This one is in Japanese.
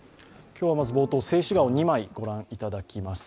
今日はまず静止画を２枚ご覧いただきます。